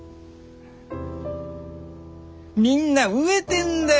みんな飢えてんだよ